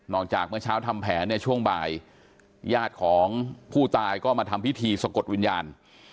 จากเมื่อเช้าทำแผนเนี่ยช่วงบ่ายญาติของผู้ตายก็มาทำพิธีสะกดวิญญาณ